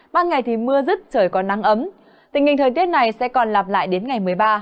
ban ngày thì mưa rứt trời có nắng ấm tình hình thời tiết này sẽ còn lặp lại đến ngày một mươi ba